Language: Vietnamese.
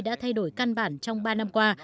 đã thay đổi căn bản trong ba năm qua